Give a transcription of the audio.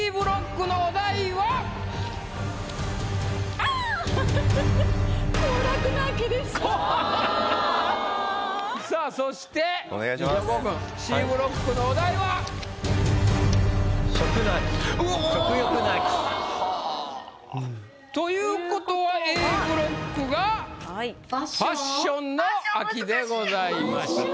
食の秋「食欲の秋」。ということはＡブロックが「ファッションの秋」でございました。